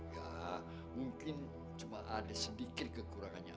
ya mungkin cuma ada sedikit kekurangannya